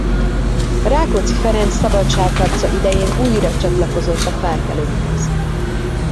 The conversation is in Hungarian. Rákóczi Ferenc szabadságharca idején újra csatlakozott a felkelőkhöz.